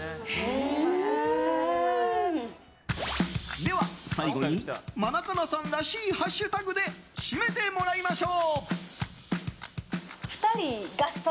では最後にマナカナさんらしいハッシュタグで締めてもらいましょう。